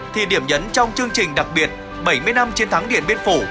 thì điểm nhấn trong chương trình đặc biệt bảy mươi năm chiến thắng điện biên phủ